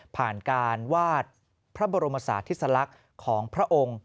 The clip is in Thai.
ผ่านการวาดพระบรมศาสติสลักษณ์ของพระองค์